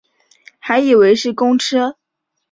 还以为是公车